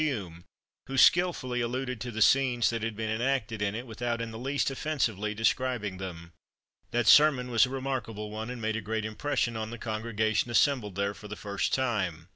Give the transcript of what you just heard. Hume, who skilfully alluded to the scenes that had been enacted in it, without in the least offensively describing them. That sermon was a remarkable one, and made a great impression on the congregation assembled there for the first time.